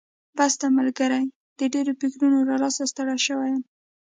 بس یې ده ملګري، د ډېرو فکرونو له لاسه ستړی شوی یم.